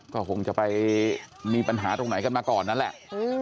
ก็คงจะไปมีปัญหาตรงไหนกันมาก่อนนั่นแหละ